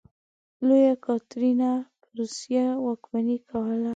لویه کاترینه په روسیې واکمني کوله.